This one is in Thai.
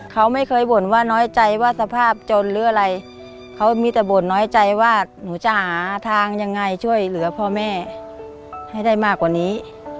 เขาไม่เคยบ่นว่าน้อยใจว่าสภาพจนหรืออะไรเขามีแต่บ่นน้อยใจว่าหนูจะหาทางยังไงช่วยเหลือพ่อแม่ให้ได้มากกว่านี้